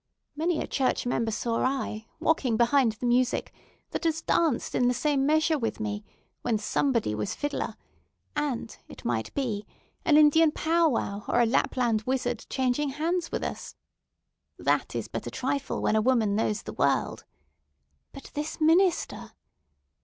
Many a church member saw I, walking behind the music, that has danced in the same measure with me, when Somebody was fiddler, and, it might be, an Indian powwow or a Lapland wizard changing hands with us! That is but a trifle, when a woman knows the world. But this minister.